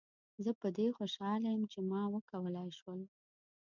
زه په دې خوشحاله یم چې ما وکولای شول.